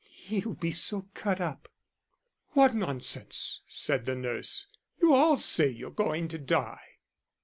He'll be so cut up." "What nonsense!" said the nurse, "you all say you're going to die."